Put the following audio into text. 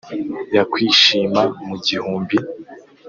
yakwishima mu gihumbi.